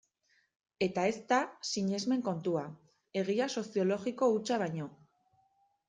Eta ez da sinesmen kontua, egia soziologiko hutsa baino.